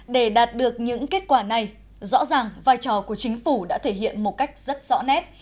để đạt được những kết quả này rõ ràng vai trò của chính phủ đã thể hiện một cách rất rõ nét